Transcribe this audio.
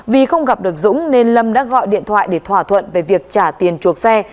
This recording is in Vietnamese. vì không gặp được dũng nên lâm đã gọi điện thoại để thỏa thuận về việc trả tiền chuộc xe